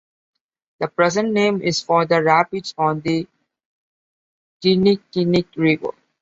The present name is for the rapids on the Kinnickinnic River.